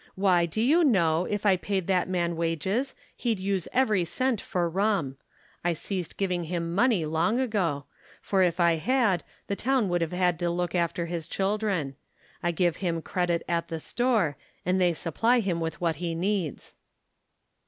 Why, do you know, if I paid that man wages, he'd use every cent for rum. I ceased giving him money long ago, for if I had, the town would have had to look after his children. I give him credit at the store, and they supply him with what he needs."